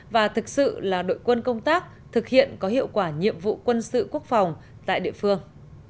và thực sự là đội quân công tác thực hiện có hiệu quả nhiệm vụ quân sự quốc phòng tại địa phương